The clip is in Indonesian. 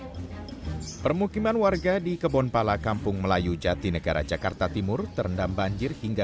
hai permukiman warga di kebonpala kampung melayu jati negara jakarta timur terendam banjir hingga